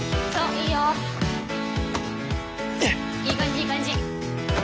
いい感じいい感じ！